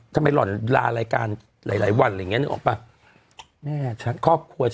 ทำไมล่ารายการหลายวันอะไรอย่างเงี้ยนึกออกปะแม่ฉันครอบครัว